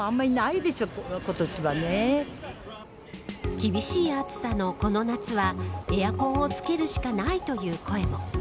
厳しい暑さのこの夏はエアコンをつけるしかないという声も。